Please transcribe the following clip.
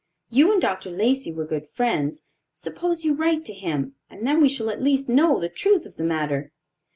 You and Dr. Lacey were good friends; suppose you write to him, and then we shall at least know the truth of the matter."